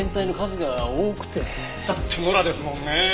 だって野良ですもんね！